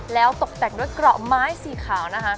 แล้วตกแต่งด้วยเกราะไม้สีขาวนะคะ